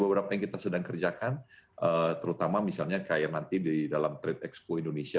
beberapa yang kita sedang kerjakan terutama misalnya kayak nanti di dalam trade expo indonesia